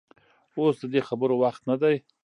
اوس د دې خبرو وخت نه دى.